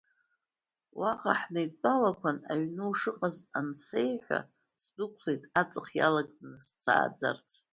Уаҟа ҳнеидтәалақәан, аҩны ушыҟаз ансеиҳәа, сдәықәлеит, аҵх иалагӡаны сааӡарц.